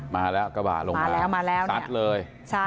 มาแล้วกระบาดลงมาสัดเลย